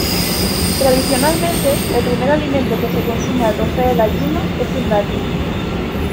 Tradicionalmente, el primer alimento que se consume al romper el ayuno es un dátil.